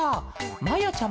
まやちゃま